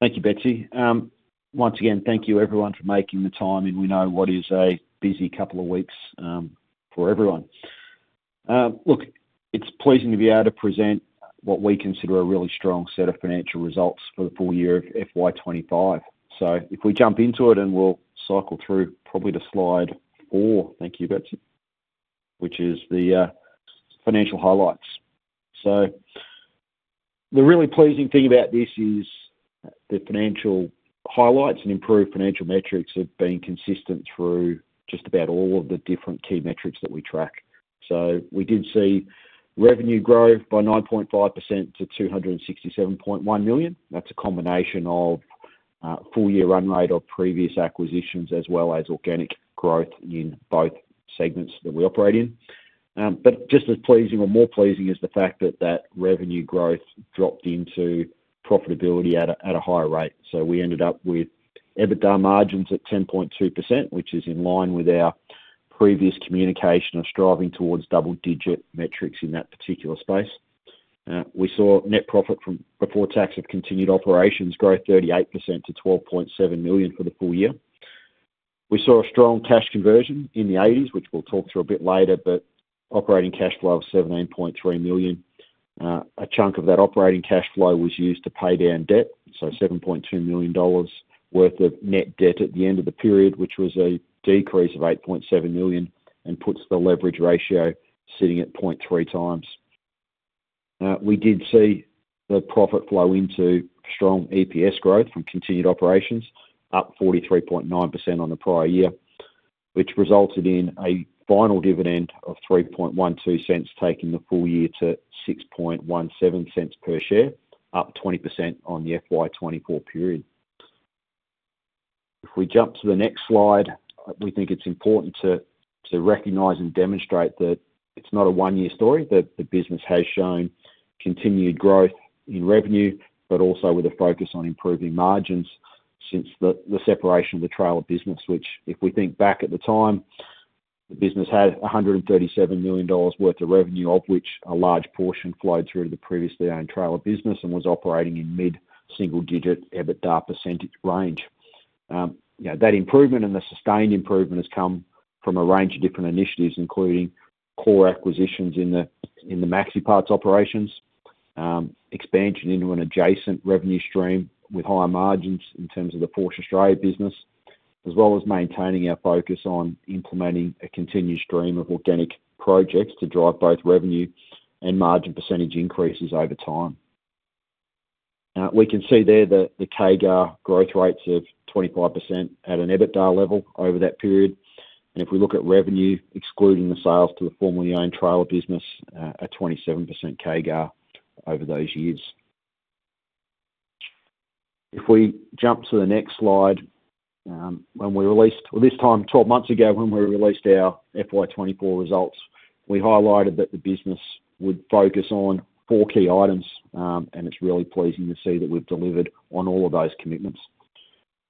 Thank you, Betsy. Once again, thank you, everyone, for making the time. We know what is a busy couple of weeks for everyone. It's pleasing to be able to present what we consider a really strong set of financial results for the full year of FY2025. If we jump into it, and we'll cycle through probably to slide four, thank you, Betsy, which is the financial highlights. The really pleasing thing about this is the financial highlights and improved financial metrics have been consistent through just about all of the different key metrics that we track. We did see revenue growth by 9.5% to $267.1 million. That's a combination of a full-year run rate of previous acquisitions, as well as organic growth in both segments that we operate in. Just as pleasing, or more pleasing, is the fact that that revenue growth dropped into profitability at a higher rate. We ended up with EBITDA margins at 10.2%, which is in line with our previous communication of striving towards double-digit metrics in that particular space. We saw net profit before tax of continued operations grow 38% to $12.7 million for the full year. We saw a strong cash conversion in the 80s, which we'll talk through a bit later, but operating cash flow was $17.3 million. A chunk of that operating cash flow was used to pay down debt, so $7.2 million worth of net debt at the end of the period, which was a decrease of $8.7 million, and puts the leverage ratio sitting at 0.3x. We did see the profit flow into strong EPS growth from continued operations, up 43.9% on the prior year, which resulted in a final dividend of $3.12, taking the full year to $6.17 per share, up 20% on the FY2024 period. If we jump to the next slide, we think it's important to recognize and demonstrate that it's not a one-year story, that the business has shown continued growth in revenue, but also with a focus on improving margins since the separation of the trailer business, which, if we think back at the time, the business had $137 million worth of revenue, of which a large portion flowed through to the previously owned trailer business and was operating in mid-single-digit EBITDA percentage range. That improvement and the sustained improvement has come from a range of different initiatives, including core acquisitions in the MaxiPARTS operations, expansion into an adjacent revenue stream with higher margins in terms of the Förch Australia business, as well as maintaining our focus on implementing a continued stream of organic projects to drive both revenue and margin % increases over time. We can see there that the CAGR growth rates have 25% at an EBITDA level over that period. If we look at revenue excluding the sales to the formerly owned trailer business, a 27% CAGR over those years. If we jump to the next slide, this time 12 months ago, when we released our FY2024 results, we highlighted that the business would focus on four key items. It's really pleasing to see that we've delivered on all of those commitments.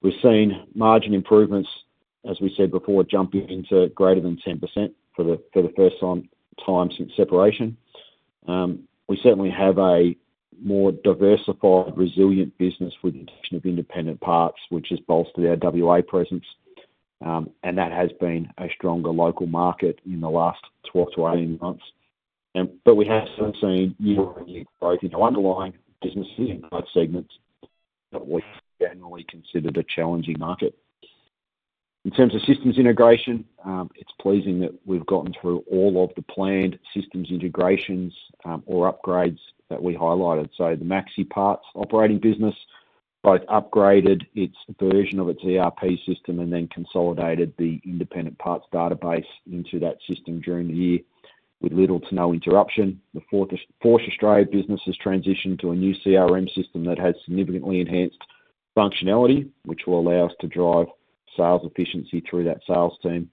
We've seen margin improvements, as we said before, jumping to greater than 10% for the first time since separation. We certainly have a more diversified, resilient business within the independent parks, which has bolstered our WA presence. That has been a stronger local market in the last 12-18 months. We have seen year-over-year growth in our underlying businesses in those segments that we've generally considered a challenging market. In terms of systems integration, it's pleasing that we've gotten through all of the planned systems integrations or upgrades that we highlighted. The MaxiPARTS operating business both upgraded its version of its ERP system and then consolidated the independent parks database into that system during the year with little to no interruption. The Förch Australia business has transitioned to a new CRM system that has significantly enhanced functionality, which will allow us to drive sales efficiency through that sales team.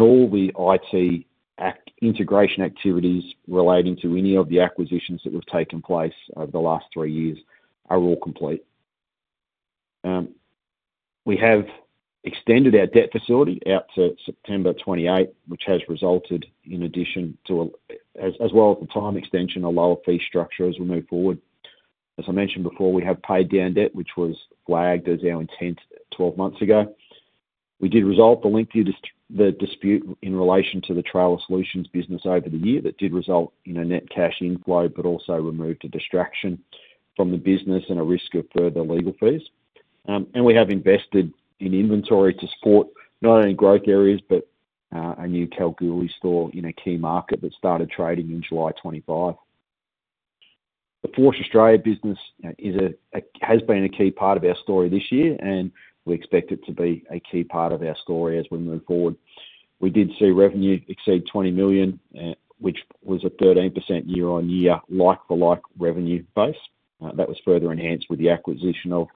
All the IT integration activities relating to any of the acquisitions that have taken place over the last three years are all complete. We have extended our debt facility out to September 28, which has resulted, in addition to, as well as the time extension, a lower fee structure as we move forward. As I mentioned before, we have paid down debt, which was flagged as our intent 12 months ago. We did resolve the lengthy dispute in relation to the trailer solutions business over the year that did result in a net cash inflow, but also removed a distraction from the business and a risk of further legal fees. We have invested in inventory to support not only growth areas, but a new Kalgoorlie store in a key market that started trading in July 2025. The Förch Australia business has been a key part of our story this year, and we expect it to be a key part of our story as we move forward. We did see revenue exceed $20 million, which was a 13% year-on-year like-for-like revenue base. That was further enhanced with the acquisition of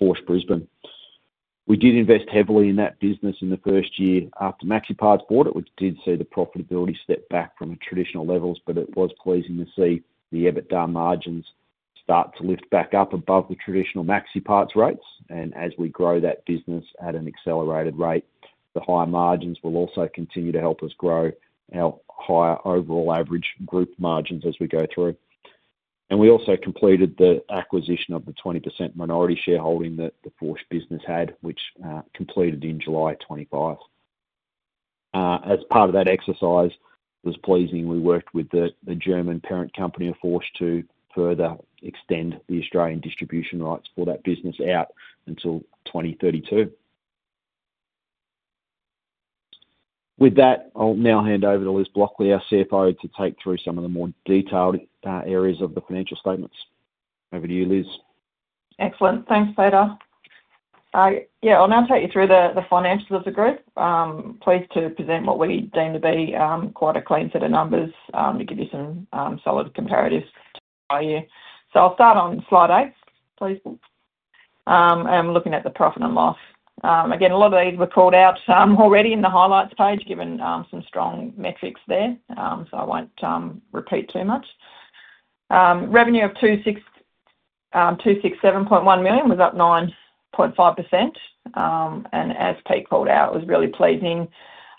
Förch Brisbane. We did invest heavily in that business in the first year after MaxiPARTS bought it, which did see the profitability step back from traditional levels, but it was pleasing to see the EBITDA margins start to lift back up above the traditional MaxiPARTS rates. As we grow that business at an accelerated rate, the higher margins will also continue to help us grow our higher overall average group margins as we go through. We also completed the acquisition of the 20% minority shareholding that the Förch business had, which completed in July 2025. As part of that exercise, it was pleasing we worked with the German parent company of Förch to further extend the Australian distribution rights for that business out until 2032. With that, I'll now hand over to Liz Blockley, our CFO, to take through some of the more detailed areas of the financial statements. Over to you, Liz. Excellent. Thanks, Peter. I'll now take you through the financials of the group. Pleased to present what we deem to be quite a clean set of numbers to give you some solid comparatives to show you. I'll start on slide eight, please. I'm looking at the profit and loss. Again, a lot of these were called out already in the highlights page, given some strong metrics there. I won't repeat too much. Revenue of $267.1 million was up 9.5%. As Pete called out, it was really pleasing.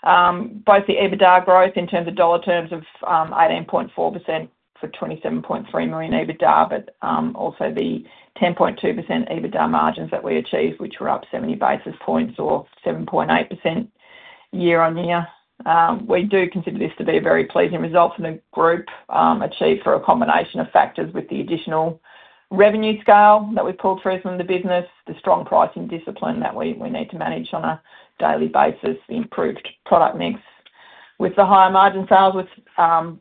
Both the EBITDA growth in terms of dollar terms of 18.4% for $27.3 million EBITDA, but also the 10.2% EBITDA margins that we achieved, which were up 70 basis points or 7.8% year-on-year. We do consider this to be a very pleasing result from the group achieved for a combination of factors with the additional revenue scale that we've pulled through from the business, the strong pricing discipline that we need to manage on a daily basis, the improved product mix with the higher margin sales with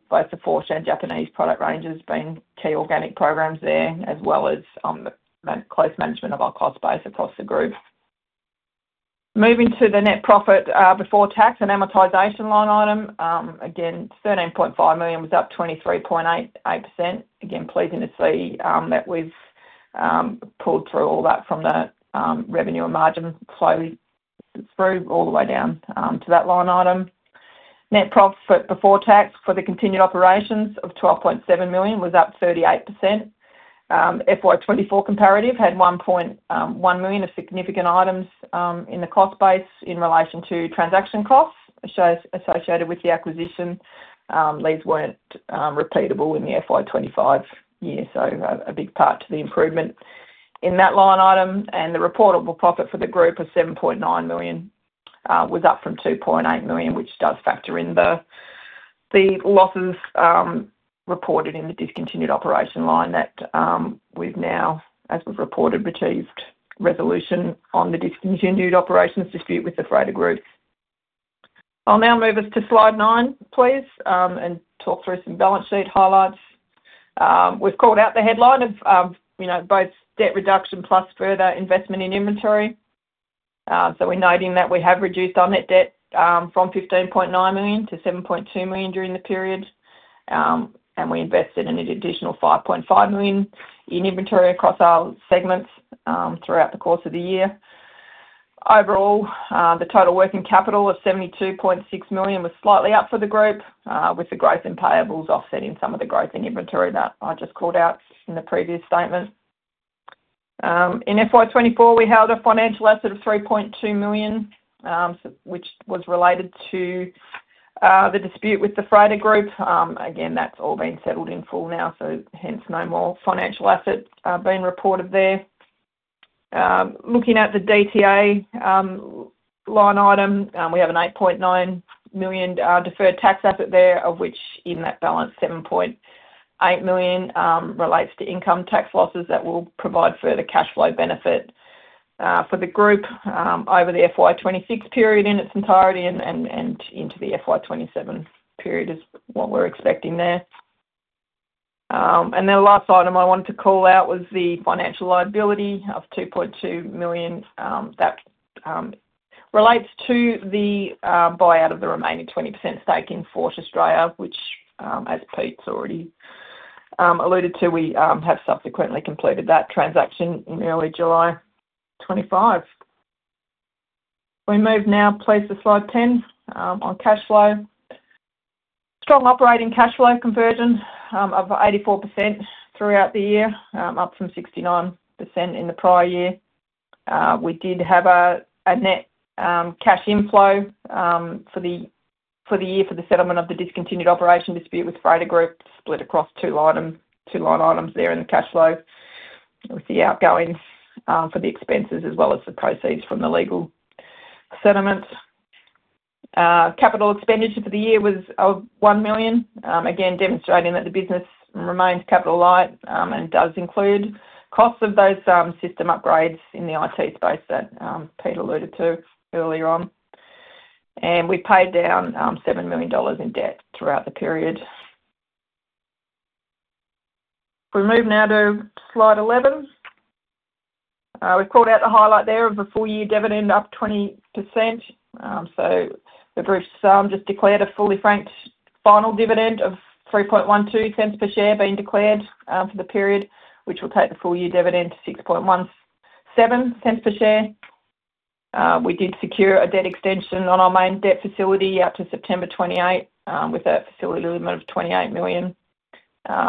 both the Förch and Japanese product ranges being key organic programs there, as well as on the close management of our cost base across the group. Moving to the net profit before tax and amortization line item, $13.5 million was up 23.8%. Pleasing to see that we've pulled through all that from the revenue and margin slowly through all the way down to that line item. Net profit before tax for the continued operations of $12.7 million was up 38%. The FY2024 comparative had $1.1 million of significant items in the cost base in relation to transaction costs associated with the acquisition. These weren't repeatable in the FY2025 year, a big part to the improvement in that line item. The reportable profit for the group of $7.9 million was up from $2.8 million, which does factor in the losses reported in the discontinued operation line that we've now, as we've reported, achieved resolution on the discontinued operations dispute with the freighter group. I'll now move us to slide nine, please, and talk through some balance sheet highlights. We've called out the headline of both debt reduction plus further investment in inventory. We're noting that we have reduced our net debt from $15.9 million to $7.2 million during the period. We invested an additional $5.5 million in inventory across our segments throughout the course of the year. Overall, the total working capital of $72.6 million was slightly up for the group, with the growth in payables offsetting some of the growth in inventory that I just called out in the previous statement. In FY2024, we held a financial asset of $3.2 million, which was related to the dispute with the freighter group. That's all been settled in full now, so hence no more financial asset being reported there. Looking at the DTA line item, we have an $8.9 million deferred tax asset there, of which in that balance $7.8 million relates to income tax losses that will provide further cash flow benefit for the group over the FY2026 period in its entirety and into the FY2027 period is what we're expecting there. The last item I wanted to call out was the financial liability of $2.2 million that relates to the buyout of the remaining 20% stake in Förch Australia, which, as Pete's already alluded to, we have subsequently completed that transaction in early July 2025. We move now, please, to slide 10 on cash flow. Strong operating cash flow conversion of 84% throughout the year, up from 69% in the prior year. We did have a net cash inflow for the year for the settlement of the discontinued operation dispute with freighter group split across two line items there in the cash flow. We see outgoing for the expenses as well as the proceeds from the legal settlements. Capital expenditure for the year was $1 million, again demonstrating that the business remains capital light and does include costs of those system upgrades in the IT space that Pete alluded to earlier on. We paid down $7 million in debt throughout the period. We move now to slide 11. We've called out the highlight there of the full-year dividend up 20%. The group's just declared a fully franked final dividend of $3.12 per share being declared for the period, which will take the full-year dividend to $6.17 per share. We did secure a debt extension on our main debt facility out to September 2028 with a facility limit of $28 million,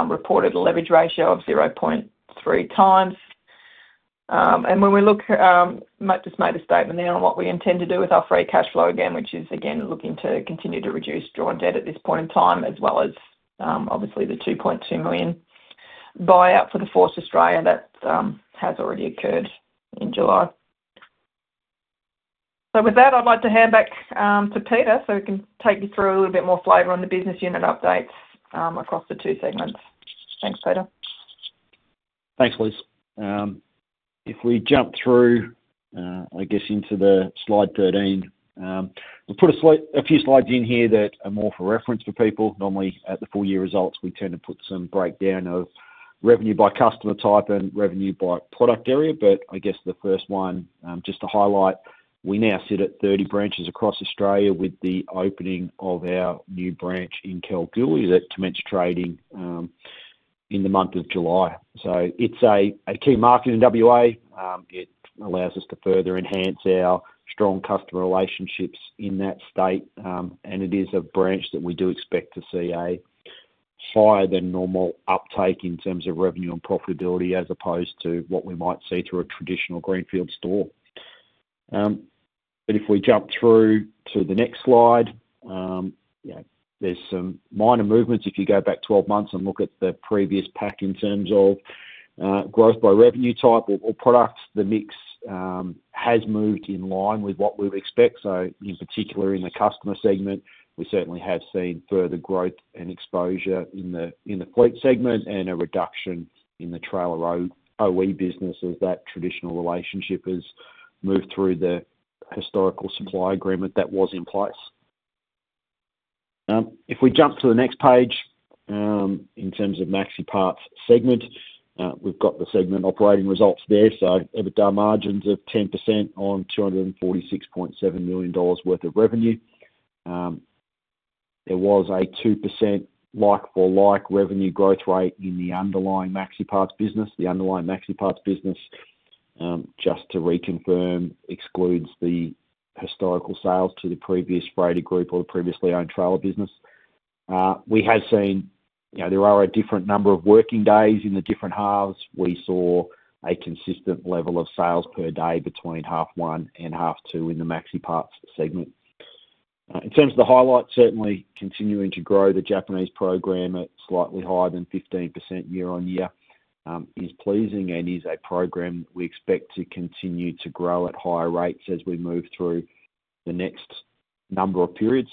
reported a leverage ratio of 0.3x. When we look, I just made a statement there on what we intend to do with our free cash flow again, which is again looking to continue to reduce drawn debt at this point in time, as well as obviously the $2.2 million buyout for the Förch Australia that has already occurred in July. With that, I'd like to hand back to Peter so he can take you through a little bit more flavor on the business unit updates across the two segments. Thanks, Peter. Thanks, Liz. If we jump through, I guess, into slide 13, we'll put a few slides in here that are more for reference for people. Normally, at the full-year results, we tend to put some breakdown of revenue by customer type and revenue by product area. I guess the first one, just to highlight, we now sit at 30 branches across Australia with the opening of our new branch in Kalgoorlie that commenced trading in the month of July. It's a key market in WA. It allows us to further enhance our strong customer relationships in that state. It is a branch that we do expect to see a higher than normal uptake in terms of revenue and profitability as opposed to what we might see through a traditional greenfield store. If we jump through to the next slide, there's some minor movements. If you go back 12 months and look at the previous pack in terms of growth by revenue type or products, the mix has moved in line with what we would expect. In particular, in the customer segment, we certainly have seen further growth and exposure in the fleet segment and a reduction in the trailer OE business as that traditional relationship has moved through the historical supply agreement that was in place. If we jump to the next page, in terms of MaxiPARTS segment, we've got the segment operating results there. EBITDA margins of 10% on $246.7 million worth of revenue. There was a 2% like-for-like revenue growth rate in the underlying MaxiPARTS business. The underlying MaxiPARTS business, just to reconfirm, excludes the historical sales to the previous freighter group or the previously owned trailer business. We have seen, you know, there are a different number of working days in the different halves. We saw a consistent level of sales per day between half one and half two in the MaxiPARTS segment. In terms of the highlights, certainly continuing to grow the Japanese program at slightly higher than 15% year-on-year is pleasing and is a program we expect to continue to grow at higher rates as we move through the next number of periods.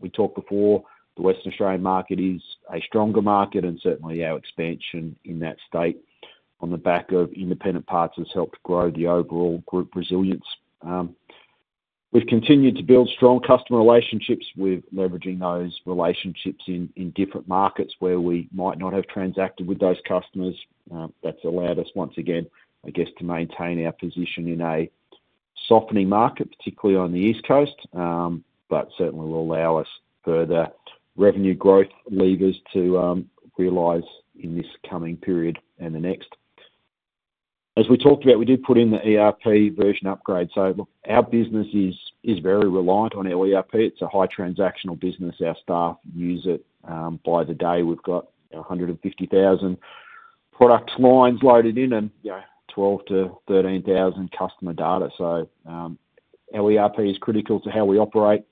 We talked before, the Western Australian market is a stronger market, and certainly our expansion in that state on the back of independent parks has helped grow the overall group resilience. We've continued to build strong customer relationships with leveraging those relationships in different markets where we might not have transacted with those customers. That's allowed us once again, I guess, to maintain our position in a softening market, particularly on the East Coast, but certainly will allow us further revenue growth levers to realize in this coming period and the next. As we talked about, we did put in the ERP version upgrade. Our business is very reliant on our ERP. It's a high transactional business. Our staff use it by the day. We've got 150,000 products lined loaded in and 12,000-13,000 customer data. Our ERP is critical to how we operate.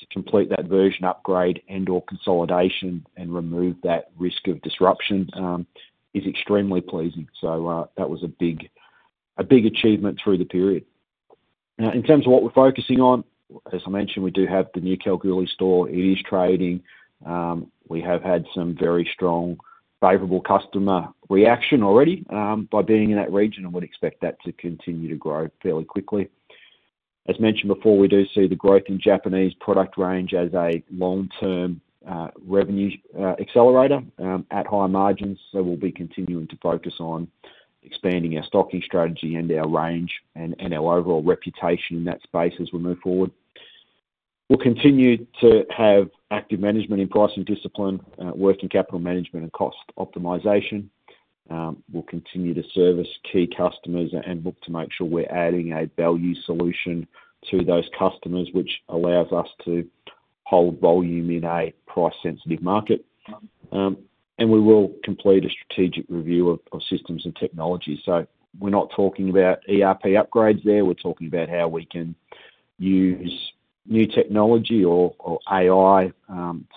To complete that version upgrade and/or consolidation and remove that risk of disruption is extremely pleasing. That was a big achievement through the period. In terms of what we're focusing on, as I mentioned, we do have the new Kalgoorlie store. It is trading. We have had some very strong favorable customer reaction already by being in that region and would expect that to continue to grow fairly quickly. As mentioned before, we do see the growth in Japanese product range as a long-term revenue accelerator at high margins. We'll be continuing to focus on expanding our stocking strategy and our range and our overall reputation in that space as we move forward. We'll continue to have active management in pricing discipline, working capital management, and cost optimization. We'll continue to service key customers and look to make sure we're adding a value solution to those customers, which allows us to hold volume in a price-sensitive market. We will complete a strategic review of systems and technologies. We're not talking about ERP upgrades there. We're talking about how we can use new technology or AI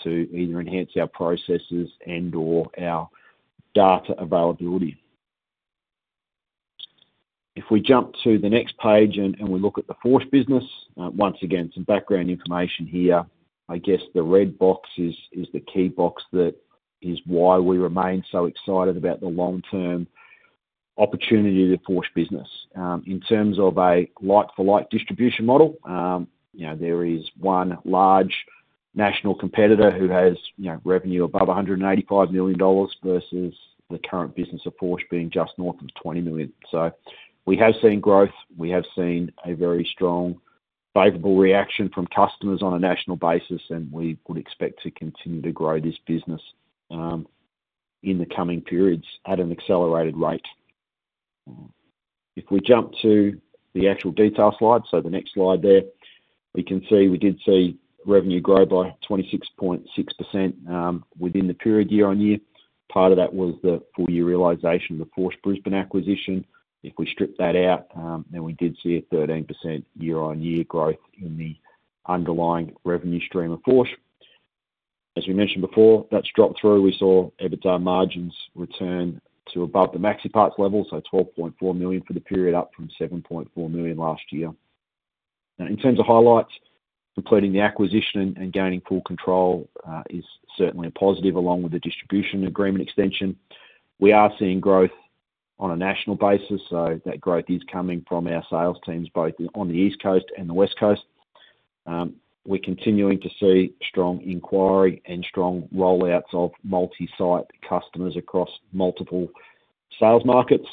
to either enhance our processes and/or our data availability. If we jump to the next page and we look at the Förch business, once again, some background information here. I guess the red box is the key box that is why we remain so excited about the long-term opportunity of the Förch business. In terms of a like-for-like distribution model, there is one large national competitor who has revenue above $185 million versus the current business of Förch being just north of $20 million. We have seen growth. We have seen a very strong favorable reaction from customers on a national basis, and we would expect to continue to grow this business in the coming periods at an accelerated rate. If we jump to the actual detail slide, the next slide there, we can see we did see revenue grow by 26.6% within the period year-on-year. Part of that was the full-year realization of the Förch Brisbane acquisition. If we strip that out, then we did see a 13% year-on-year growth in the underlying revenue stream of Förch. As we mentioned before, that's dropped through. We saw EBITDA margins return to above the MaxiPARTS level, so $12.4 million for the period, up from $7.4 million last year. In terms of highlights, completing the acquisition and gaining full control is certainly a positive, along with the distribution agreement extension. We are seeing growth on a national basis, so that growth is coming from our sales teams both on the East Coast and the West Coast. We're continuing to see strong inquiry and strong rollouts of multi-site customers across multiple sales markets.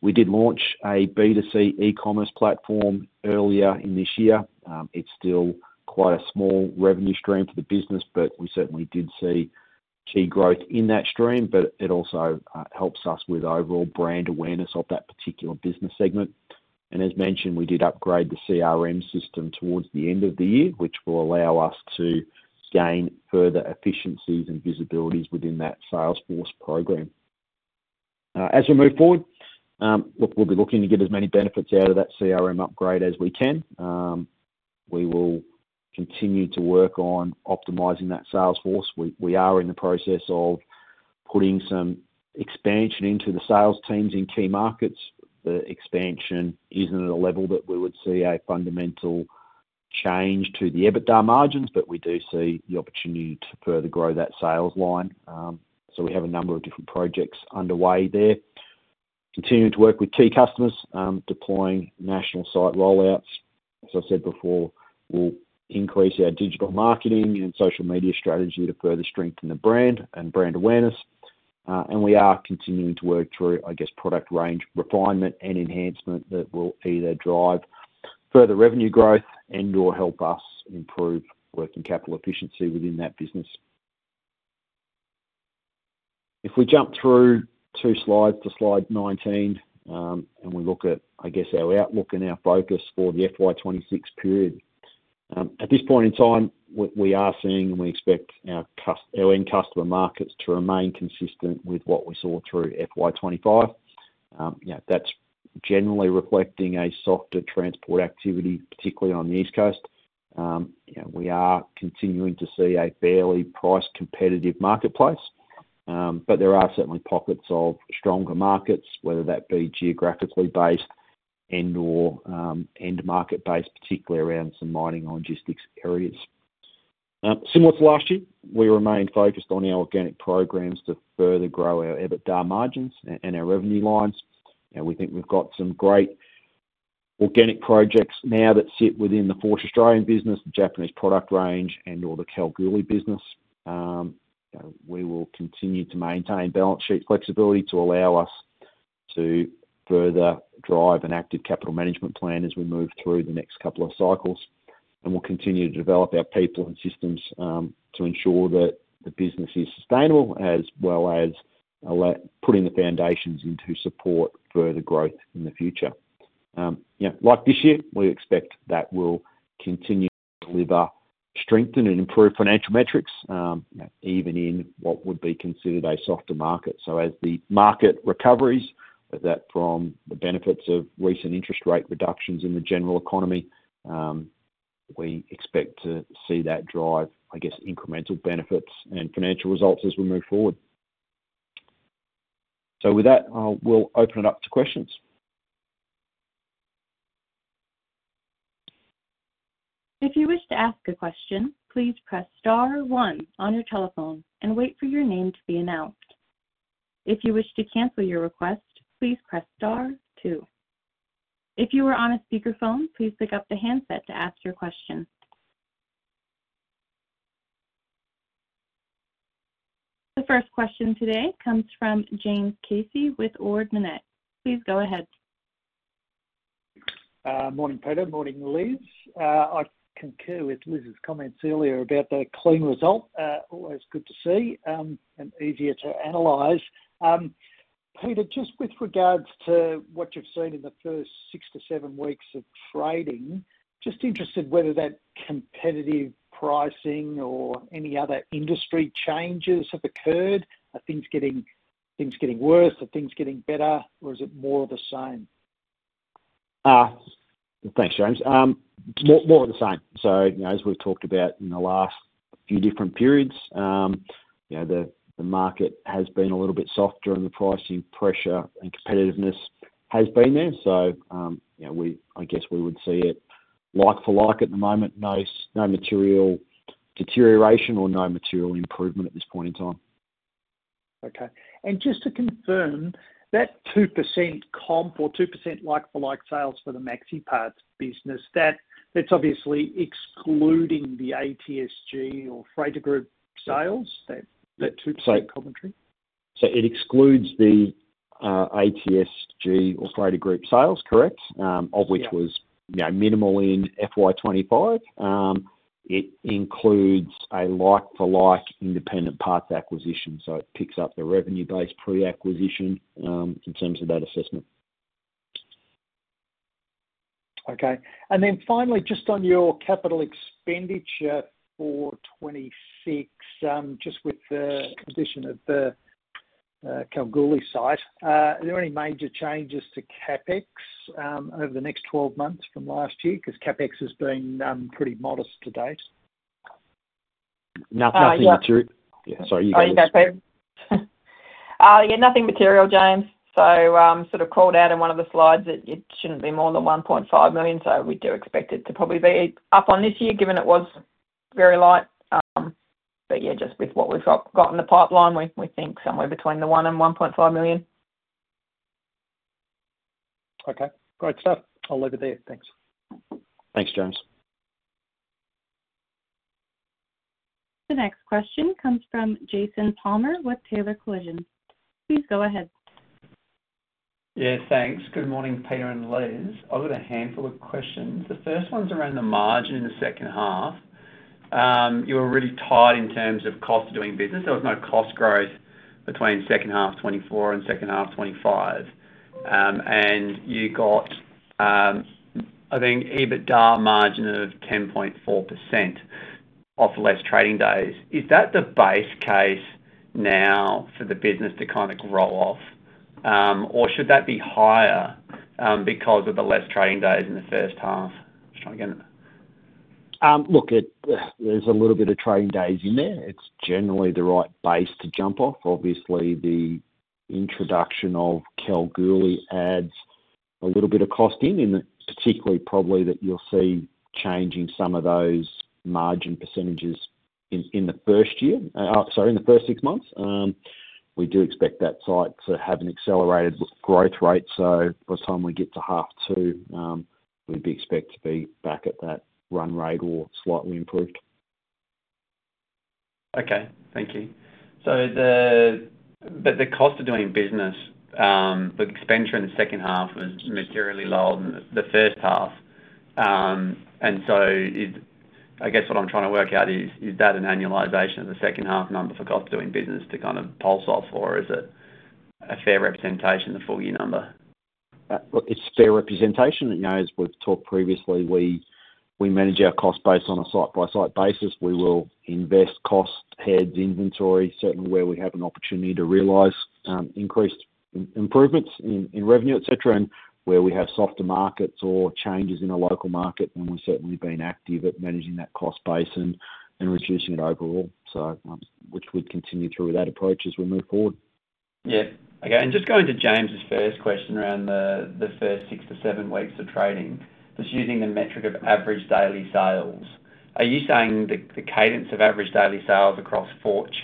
We did launch a B2C e-commerce platform earlier in this year. It's still quite a small revenue stream for the business, but we certainly did see key growth in that stream. It also helps us with overall brand awareness of that particular business segment. As mentioned, we did upgrade the CRM system towards the end of the year, which will allow us to gain further efficiencies and visibilities within that Salesforce program. As we move forward, we'll be looking to get as many benefits out of that CRM upgrade as we can. We will continue to work on optimizing that Salesforce. We are in the process of putting some expansion into the sales teams in key markets. The expansion isn't at a level that we would see a fundamental change to the EBITDA margins, but we do see the opportunity to further grow that sales line. We have a number of different projects underway there, continuing to work with key customers, deploying national site rollouts. As I said before, we'll increase our digital marketing and social media strategy to further strengthen the brand and brand awareness. We are continuing to work through product range refinement and enhancement that will either drive further revenue growth and/or help us improve working capital efficiency within that business. If we jump through two slides to slide 19 and we look at our outlook and our focus for the FY2026 period, at this point in time, we are seeing and we expect our end customer markets to remain consistent with what we saw through FY2025. That's generally reflecting a softer transport activity, particularly on the East Coast. We are continuing to see a fairly price-competitive marketplace, but there are certainly pockets of stronger markets, whether that be geographically based and/or end-market based, particularly around some mining and logistics areas. Similar to last year, we remain focused on our organic programs to further grow our EBITDA margins and our revenue lines. We think we've got some great organic projects now that sit within the Förch Australia business, the Japanese product range, and/or the Kalgoorlie business. We will continue to maintain balance sheet flexibility to allow us to further drive an active capital management plan as we move through the next couple of cycles. We will continue to develop our people and systems to ensure that the business is sustainable, as well as putting the foundations in to support further growth in the future. Like this year, we expect that we'll continue to deliver, strengthen, and improve financial metrics, even in what would be considered a softer market. As the market recovers, whether that is from the benefits of recent interest rate reductions in the general economy, we expect to see that drive incremental benefits and financial results as we move forward. With that, we'll open it up to questions. If you wish to ask a question, please press star one on your telephone and wait for your name to be announced. If you wish to cancel your request, please press star two. If you are on a speakerphone, please pick up the handset to ask your question. The first question today comes from James Casey with Ord Minnett. Please go ahead. Morning, Peter. Morning, Liz. I concur with Liz's comments earlier about the clean result. Always good to see and easier to analyze. Peter, just with regards to what you've seen in the first six to seven weeks of trading, just interested whether that competitive pricing or any other industry changes have occurred. Are things getting worse? Are things getting better? Or is it more of the same? Thanks, James. It's more of the same. As we've talked about in the last few different periods, the market has been a little bit softer and the pricing pressure and competitiveness has been there. I guess we would see it like-for-like at the moment. No material deterioration or no material improvement at this point in time. Okay. Just to confirm, that 2% comp or 2% like-for-like sales for the MaxiPARTS business, that's obviously excluding the ATSG or freighter group sales. Is that the 2% commentary? It excludes the ATSG or freighter group sales, correct, which was minimal in FY2025. It includes a like-for-like independent parts acquisition. It picks up the revenue-based pre-acquisition in terms of that assessment. Okay. Finally, just on your capital expenditure for 2026, just with the addition of the Kalgoorlie site, are there any major changes to CapEx over the next 12 months from last year? CapEx has been pretty modest to date. Nothing. Yeah, sorry. Nothing material, James. It was sort of called out in one of the slides that it shouldn't be more than $1.5 million. We do expect it to probably be up on this year given it was very light. With what we've got in the pipeline, we think somewhere between the $1 million and $1.5 million. Okay. Great stuff. I'll leave it there. Thanks. Thanks, James. The next question comes from Jason Palmer with Taylor Collision. Please go ahead. Yeah, thanks. Good morning, Peter and Liz. I've got a handful of questions. The first one's around the margin in the second half. You were really tight in terms of cost of doing business. There was no cost growth between second half 2024 and second half 2025. You got, I think, EBITDA margin of 10.4% off the less trading days. Is that the base case now for the business to kind of grow off? Should that be higher because of the less trading days in the first half? Just trying to get... Look, there's a little bit of trading days in there. It's generally the right base to jump off. Obviously, the introduction of Kalgoorlie adds a little bit of cost in, particularly probably that you'll see changing some of those margin percentages in the first year, sorry, in the first six months. We do expect that site to have an accelerated growth rate. By the time we get to half two, we'd be expected to be back at that run rate or slightly improved. Thank you. The cost of doing business, the expenditure in the second half was materially lower than the first half. I guess what I'm trying to work out is, is that an annualization of the second half number for cost of doing business to kind of pulse off, or is it a fair representation of the full-year number? It's a fair representation. You know, as we've talked previously, we manage our cost base on a site-by-site basis. We will invest cost heads, inventory, certainly where we have an opportunity to realize increased improvements in revenue, et cetera, and where we have softer markets or changes in a local market. We've certainly been active at managing that cost base and reducing it overall. We could continue through that approach as we move forward. Okay. Just going to James's first question around the first six to seven weeks of trading, just using the metric of average daily sales, are you saying the cadence of average daily sales across Förch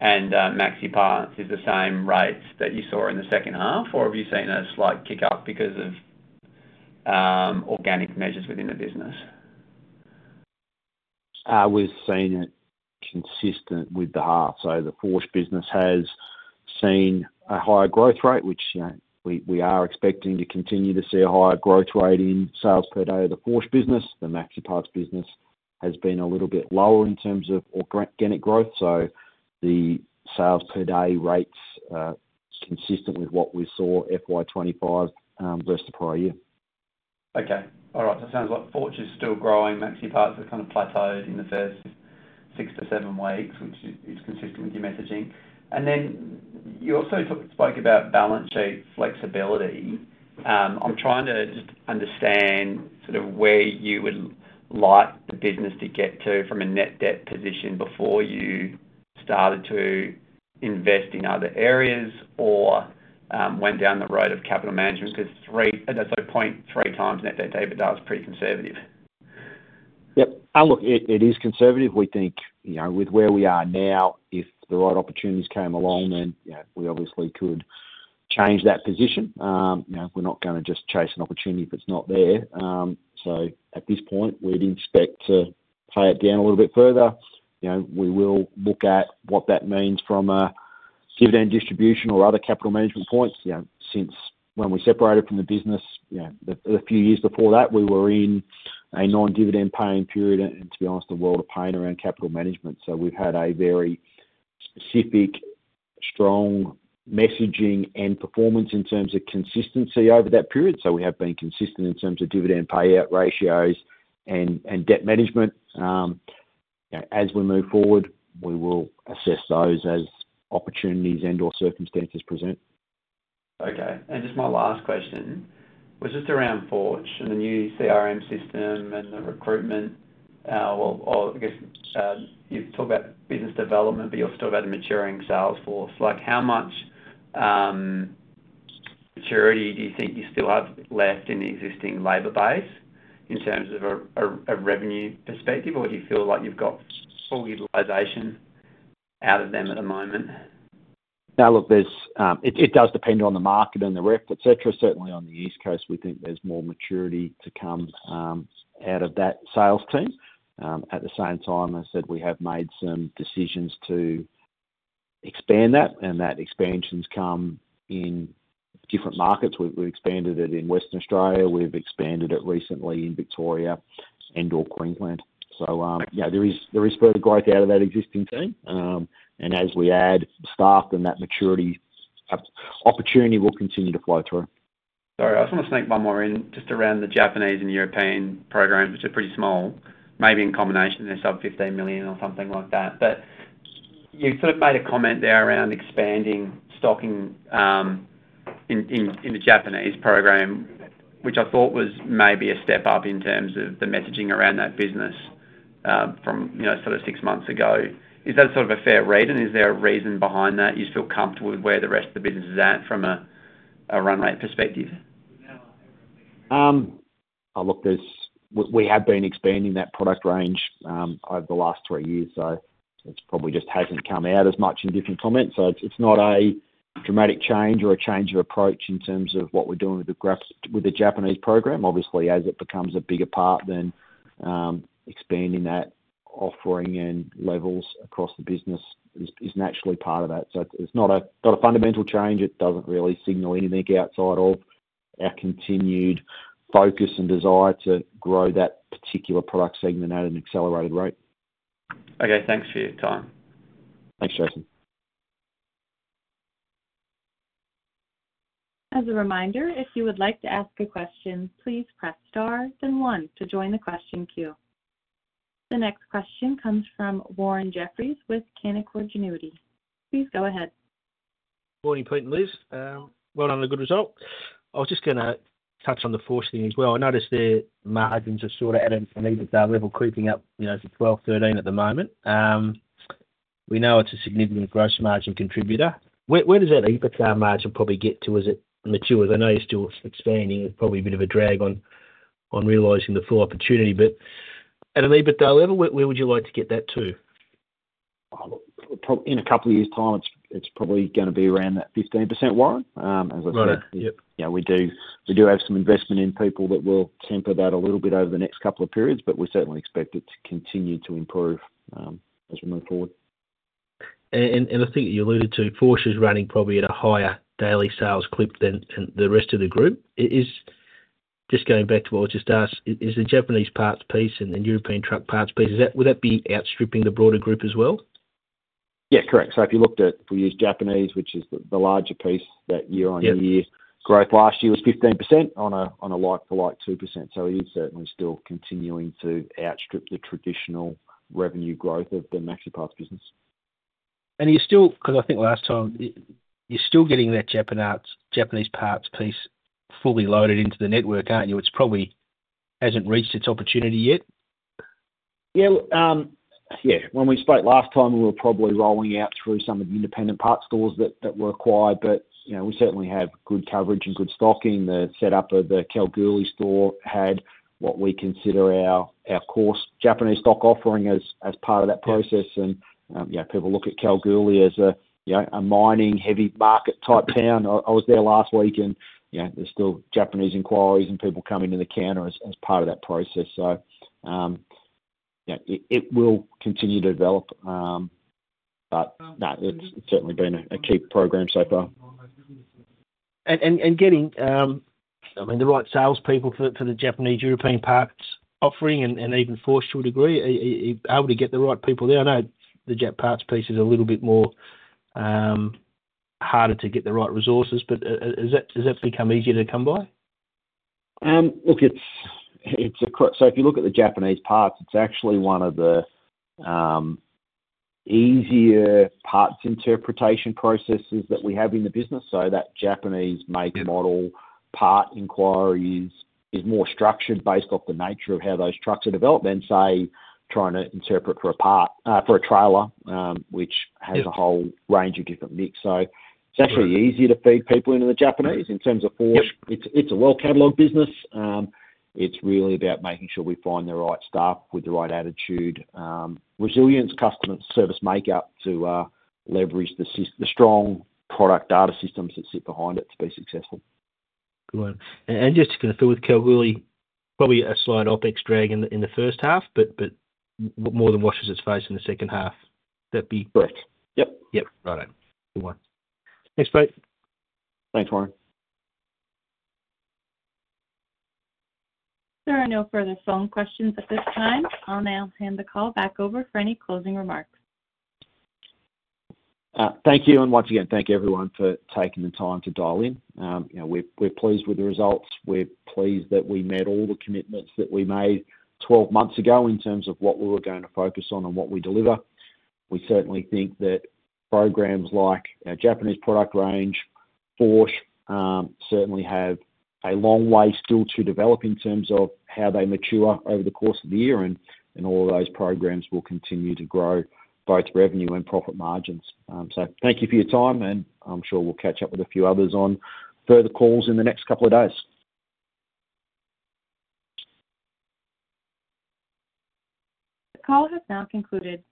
and MaxiPARTS is the same rate that you saw in the second half, or have you seen a slight kick-up because of organic measures within the business? We've seen it consistent with the half. The Förch business has seen a higher growth rate, which we are expecting to continue to see a higher growth rate in sales per day of the Förch business. The MaxiPARTS business has been a little bit lower in terms of organic growth. The sales per day rates are consistent with what we saw FY2025 versus prior year. Okay. All right. That sounds like Förch is still growing. MaxiPARTS has kind of plateaued in the first six to seven weeks, which is consistent with your messaging. You also spoke about balance sheet flexibility. I'm trying to just understand sort of where you would like the business to get to from a net debt position before you started to invest in other areas or went down the road of capital management because as I pointed 3x, net debt to EBITDA was pretty conservative. Yep. Look, it is conservative. We think, you know, with where we are now, if the right opportunities came along, then we obviously could change that position. We're not going to just chase an opportunity if it's not there. At this point, we'd expect to pay it down a little bit further. We will look at what that means from a dividend distribution or other capital management points. Since when we separated from the business, the few years before that, we were in a non-dividend paying period and, to be honest, the world of pain around capital management. We've had a very specific, strong messaging and performance in terms of consistency over that period. We have been consistent in terms of dividend payout ratios and debt management. As we move forward, we will assess those as opportunities and/or circumstances present. Okay. Just my last question. Was this around Förch and the new CRM system and the recruitment? I guess you've talked about business development, but you're still about a maturing Salesforce. How much maturity do you think you still have left in the existing labor base in terms of a revenue perspective, or do you feel like you've got full utilization out of them at the moment? Yeah, look, it does depend on the market and the rep, et cetera. Certainly on the East Coast, we think there's more maturity to come out of that sales team. At the same time, I said we have made some decisions to expand that, and that expansion's come in different markets. We've expanded it in Western Australia. We've expanded it recently in Victoria and/or Queensland. Yeah, there is further growth out of that existing team. As we add staff, then that maturity opportunity will continue to flow through. Sorry, I just want to sneak one more in just around the Japanese and European programs, which are pretty small, maybe in combination, they're sub $15 million or something like that. You sort of made a comment there around expanding stocking in the Japanese program, which I thought was maybe a step up in terms of the messaging around that business from, you know, sort of six months ago. Is that sort of a fair read? Is there a reason behind that? You just feel comfortable with where the rest of the business is at from a run rate perspective? We have been expanding that product range over the last three years, so it probably just hasn't come out as much in different comments. It's not a dramatic change or a change of approach in terms of what we're doing with the Japanese product range. Obviously, as it becomes a bigger part, then expanding that offering and levels across the business is naturally part of that. It's not a fundamental change. It doesn't really signal anything outside of our continued focus and desire to grow that particular product segment at an accelerated rate. Okay, thanks for your time. Thanks, Jason. As a reminder, if you would like to ask a question, please press star then one to join the question queue. The next question comes from Warren Jeffries with Canaccord Genuity. Please go ahead. Morning, Pete and Liz. Well done on a good result. I was just going to touch on the Förch thing as well. I noticed there, Martin, just sort of adding to the EBITDA level creeping up to $12 million, $13 million at the moment. We know it's a significant gross margin contributor. Where does that EBITDA margin probably get to as it matures? I know you're still expanding. It's probably a bit of a drag on realizing the full opportunity. At an EBITDA level, where would you like to get that to? In a couple of years' time, it's probably going to be around that 15% line. As I said, we do have some investment in people that will temper that a little bit over the next couple of periods, but we certainly expect it to continue to improve as we move forward. I think you alluded to Förch is running probably at a higher daily sales clip than the rest of the group. Just going back to what I was just asked, is the Japanese product range piece and the European truck parts piece, would that be outstripping the broader group as well? Yeah, correct. If you looked at, if we use Japanese, which is the larger piece, that year-on-year growth last year was 15% on a like-to-like 2%. It is certainly still continuing to outstrip the traditional revenue growth of the MaxiPARTS business. You are still getting that Japanese product range piece fully loaded into the network, aren't you? It probably hasn't reached its opportunity yet. Yeah. When we spoke last time, we were probably rolling out through some of the independent parts stores that were acquired. You know we certainly have good coverage and good stocking. The setup of the Kalgoorlie store had what we consider our core Japanese stock offering as part of that process. People look at Kalgoorlie as a mining heavy market type town. I was there last week and you know there's still Japanese inquiries and people coming in the counter as part of that process. It will continue to develop. No, it's certainly been a key program so far. Getting the right salespeople for the Japanese European parts offering, and even Förch would agree, able to get the right people there. I know the jet parts piece is a little bit more harder to get the right resources, but has that become easier to come by? If you look at the Japanese parts, it's actually one of the easier parts interpretation processes that we have in the business. That Japanese make model part inquiry is more structured based off the nature of how those trucks are developed than trying to interpret for a part for a trailer, which has a whole range of different mix. It's actually easier to feed people into the Japanese. In terms of Förch, it's a well-catalogued business. It's really about making sure we find the right staff with the right attitude, resilience, customer service makeup to leverage the strong product data systems that sit behind it to be successful. Good. Just to kind of fill with Kalgoorlie, probably a slight OpEx drag in the first half, but more than washes its face in the second half. That'd be. Correct. Yep. Right on. Good one. Thanks, Pete. Thanks, Warren. There are no further phone questions at this time. I'll now hand the call back over for any closing remarks. Thank you. Thank you, everyone, for taking the time to dial in. You know we're pleased with the results. We're pleased that we met all the commitments that we made 12 months ago in terms of what we were going to focus on and what we deliver. We certainly think that programs like our Japanese product range, Förch, certainly have a long way still to develop in terms of how they mature over the course of the year. All of those programs will continue to grow both revenue and profit margins. Thank you for your time, and I'm sure we'll catch up with a few others on further calls in the next couple of days. The call has now concluded.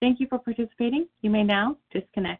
Thank you for participating. You may now disconnect.